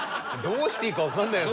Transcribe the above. どうしていいかわかんない。